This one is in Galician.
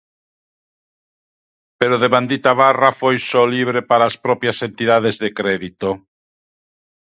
Pero devandita barra foi só libre para as propias entidades de crédito.